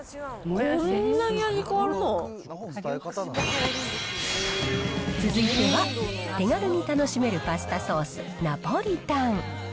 こんなに味続いては、手軽に楽しめるパスタソース、ナポリタン。